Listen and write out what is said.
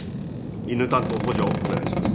犬担当補助をお願いします。